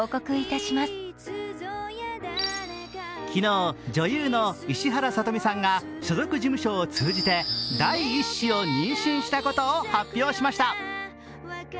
昨日、女優の石原さとみさんが所属事務所を通じて第１子を妊娠したことを発表しました。